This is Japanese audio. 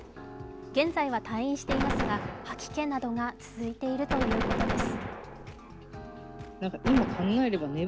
現在は退院していますが、吐き気などが続いているということです。